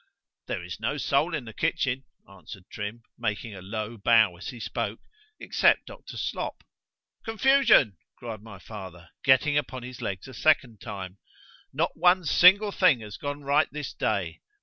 There is no one soul in the kitchen, answered Trim, making a low bow as he spoke, except Dr. Slop.—Confusion! cried my father (getting upon his legs a second time)—not one single thing has gone right this day!